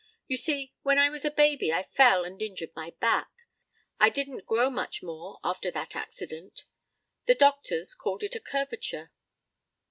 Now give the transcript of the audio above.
You see when I was a baby I fell and injured my back. I didn't grow much more after that accident. The doctors called it a curvature."